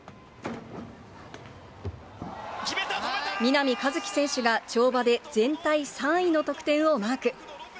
南一輝選手が跳馬で全体３位の得点をマーク。